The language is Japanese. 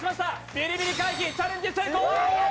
ビリビリ回避、チャレンジ成功！